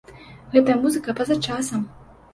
Гэтая музыка па-за часам!